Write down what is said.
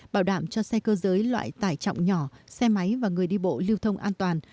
bảo đảm cho xe cơ giới loại tải trọng nhỏ xe máy và người đi bộ lưu thông an toàn